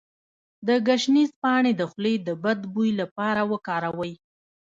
د ګشنیز پاڼې د خولې د بد بوی لپاره وکاروئ